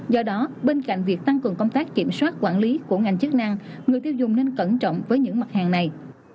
do đó bên cạnh việc tăng cường công tác kiểm soát quản lý của ngành chức năng người tiêu dùng nên cẩn trọng với những mặt hàng này